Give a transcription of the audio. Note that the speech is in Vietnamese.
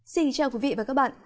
xin chào quý vị và các bạn